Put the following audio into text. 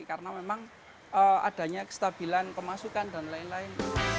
karena memang adanya kestabilan kemasukan dan lain lain